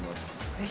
ぜひ。